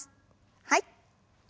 はい。